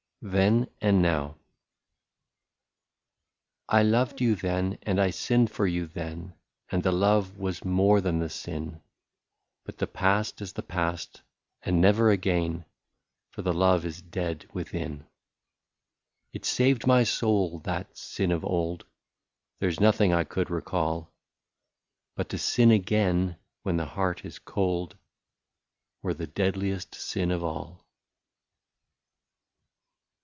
82 THEN AND NOW. " I LOVED you then, and I sinned for you then, And the love was more than the sin ; But the past is the past, and never again — For the love is dead within. *' It saved my soul, that sin of old, — There 's nothing I could recall ; But to sin again, when the heart is cold. Were the deadliest sin of all.''